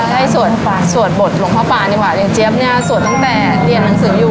ให้สวดบทหลวงพ่อปานดีกว่าอย่างเจี๊ยบเนี่ยสวดตั้งแต่เรียนหนังสืออยู่